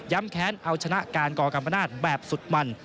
แค้นเอาชนะการก่อกรรมนาศแบบสุดมัน